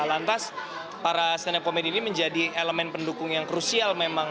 lantas para stand up command ini menjadi elemen pendukung yang krusial memang